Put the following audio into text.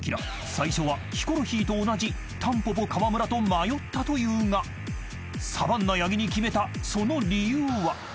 最初はヒコロヒーと同じたんぽぽ川村と迷ったというがサバンナ八木に決めたその理由は？］